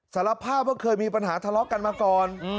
สารภาพว่าเคยมีปัญหาทะเลาะกันมาก่อน